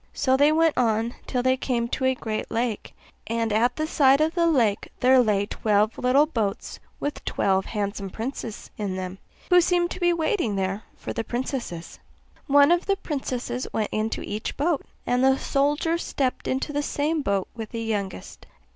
So they went on till they came to a great lake; and at the side of the lake there lay twelve little boats with twelve handsome princes in them, who seemed to be waiting there for the princesses. One of the princesses went into each boat, and the soldier stepped into the same boat with the youngest.